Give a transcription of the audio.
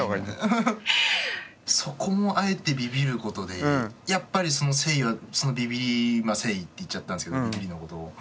そこもあえてビビることでやっぱりその誠意はそのビビり今誠意って言っちゃったんですけどビビりのことを。